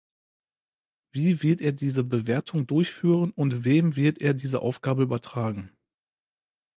Wie wird er diese Bewertung durchführen und wem wird er diese Aufgabe übertragen?